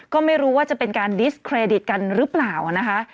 ก็ไม่รู้ว่าจะเป็นการดิสเครดิตกันหรือเปล่านะคะ